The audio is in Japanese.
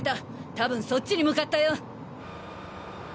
多分そっちに向かったよ！